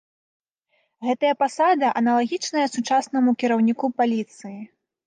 Гэтая пасада аналагічная сучаснаму кіраўніку паліцыі.